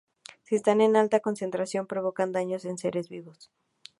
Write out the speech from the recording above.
Si están en alta concentración provocan daños en seres vivos.